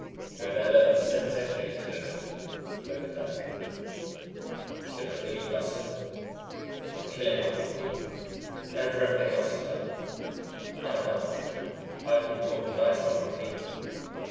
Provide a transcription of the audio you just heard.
"You know that eleven cents extra you took?" gloated Danny. "It's gonna kill you, Buster, for killing Uncle Pete, and for everything else you've done. I know. I've been talking nights to Uncle Pete.